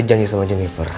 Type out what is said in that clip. kamu janjian sama jennifer